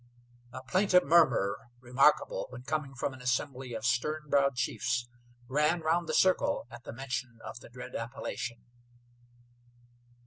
A plaintive murmur, remarkable when coming from an assembly of stern browed chiefs, ran round the circle at the mention of the dread appellation.